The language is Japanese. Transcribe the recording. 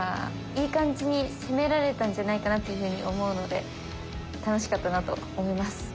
いい感じに攻められたんじゃないかなっていうふうに思うので楽しかったなと思います。